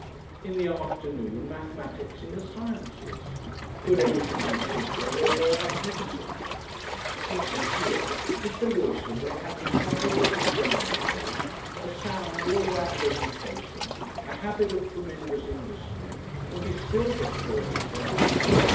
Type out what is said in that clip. In the afternoon mathematics and the sciences. Could anything be simpler or more magnificent? In six years Mr. Lewisham will have his five or six languages, a sound, all round education, a habit of tremendous industry, and be still but four and twenty.